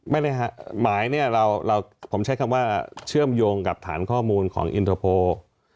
ไม่ได้ฮะหมายเนี่ยเราผมใช้คำว่าเชื่อมโยงกับฐานข้อมูลของอินเตอร์โพล